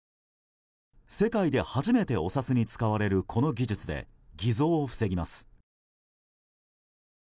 世界で初めてお札に使われるこの技術で偽造を防ぎます。